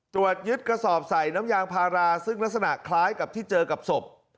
ตรวจยึดกระสอบใส่น้ำยางพาราซึ่งลักษณะคล้ายกับที่เจอกับศพ